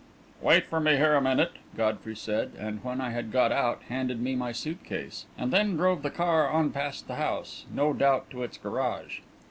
"Wait for me here a minute," Godfrey said, and, when I had got out, handed me my suit case, and then drove the car on past the house, no doubt to its garage.